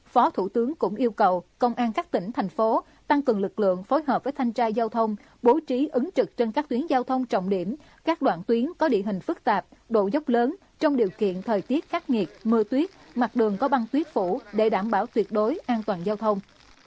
phó thủ tướng cũng yêu cầu công an các tỉnh thành phố tăng cường lực lượng phối hợp với thanh tra giao thông bố trí ứng trực trên các tuyến giao thông trọng điểm các đoạn tuyến có địa hình phức tạp độ dốc lớn trong điều kiện thời tiết khắc nghiệt mưa tuyết mặt đường có băng tuyết phủ để đảm bảo tuyệt đối an toàn giao thông